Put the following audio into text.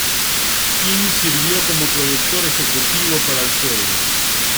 Kim sirvió como productor ejecutivo para el juego.